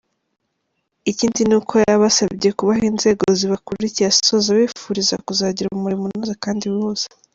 Ikindi ni uko yabasabye kubaha inzego zibakuriye, asoza abifuriza kuzagira umurimo unoze kandi wihuse.